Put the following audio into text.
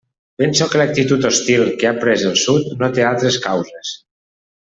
Penso que l'actitud hostil que ha pres el Sud no té altres causes.